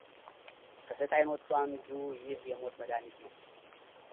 ከሰይጣኖቹ አንዱ ይህ የሞት መድኃኒት ነው፡፡